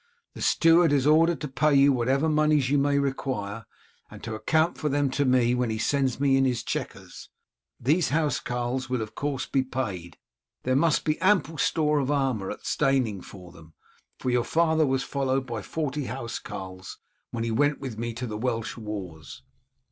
The steward is ordered to pay to you whatever moneys you may require, and to account for them to me when he sends me in his checkers. These house carls will, of course, be paid. There must be ample store of armour at Steyning for them, for your father was followed by forty house carls when he went with me to the Welsh wars.